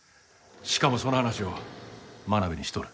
しかもその話を真鍋にしとる。